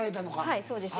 はいそうです